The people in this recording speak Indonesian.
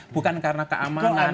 bukan karena keamanan